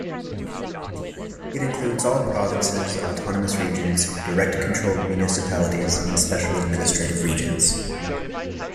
It includes all provinces, autonomous regions, direct-controlled municipalities and special administrative regions.